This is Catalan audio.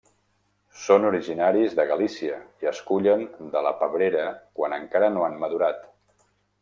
Són originaris de Galícia i es cullen de la pebrera quan encara no han madurat.